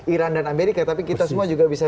iran dan amerika tapi kita semua juga bisa